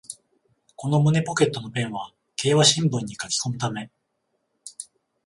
この胸ポケットのペンは競馬新聞に書きこむため